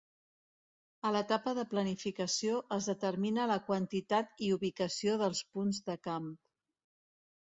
A l'etapa de planificació es determina la quantitat i ubicació dels punts de camp.